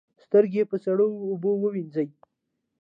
سترګې په سړو اوبو وینځئ